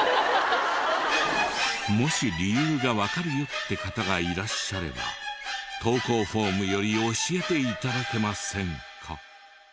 もし理由がわかるよって方がいらっしゃれば投稿フォームより教えて頂けませんか。